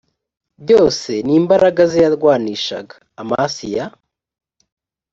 byose n imbaraga ze yarwanishaga amasiya